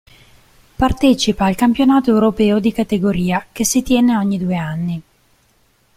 Partecipa al campionato europeo di categoria, che si tiene ogni due anni.